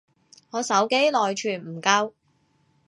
我手機內存唔夠